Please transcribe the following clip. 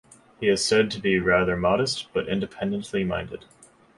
He is said to be rather modest but independently minded.